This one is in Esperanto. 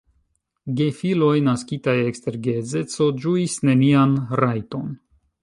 Gefiloj naskitaj ekster geedzeco ĝuis nenian rajton.